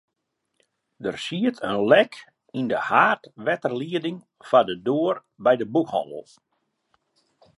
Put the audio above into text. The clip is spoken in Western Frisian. Der siet in lek yn de haadwetterlieding foar de doar by de boekhannel.